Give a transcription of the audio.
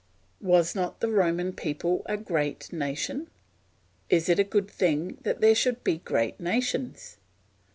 Was not the Roman people a great nation? Is it a good thing that there should be great nations?